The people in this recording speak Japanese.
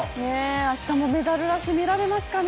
明日もメダルラッシュ、見られますかね。